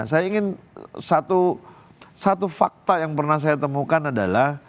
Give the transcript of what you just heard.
saya ingin satu fakta yang pernah saya temukan adalah